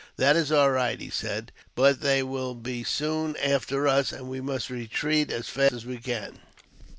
" That is air right," he said, "but they will be soon after us, and we must retreat as fast as we can."